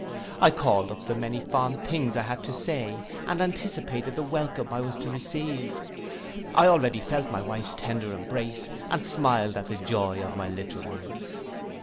I called up the many fond things I had to say, and anticipated the welcome I was to receive. I already felt my wife's tender embrace, and smiled at the joy of my little ones.